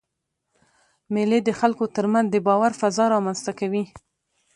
مېلې د خلکو تر منځ د باور فضا رامنځ ته کوي.